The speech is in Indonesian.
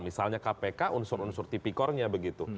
misalnya kpk unsur unsur tipikornya begitu